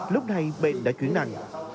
lúc này bệnh đã chuyển nặng